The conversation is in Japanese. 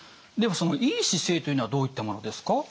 ではその良い姿勢というのはどういったものですか？